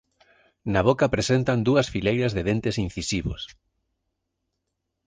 Na boca presentan dúas fileiras de dentes incisivos.